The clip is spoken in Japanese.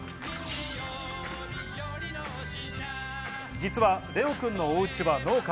実は、れおくんのおうちは農家。